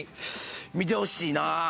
見てほしいな！